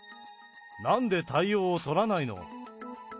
なんで対応を取らないの？